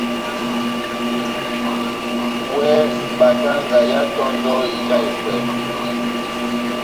Wɛ batanga yá tondò ija ekwɛmi.